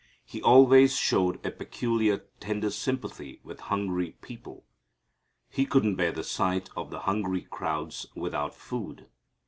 He always showed a peculiar tender sympathy with hungry people. He couldn't bear the sight of the hungry crowds without food.